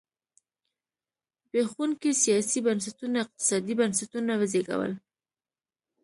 زبېښونکي سیاسي بنسټونو اقتصادي بنسټونه وزېږول.